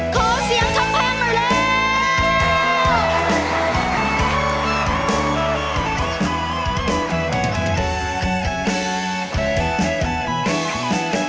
ขอเสียงท่องแฮมเมอร์แล้ว